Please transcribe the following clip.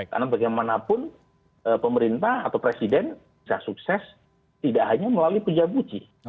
karena bagaimanapun pemerintah atau presiden bisa sukses tidak hanya melalui peja buji